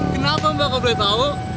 kenapa mbak kalau boleh tahu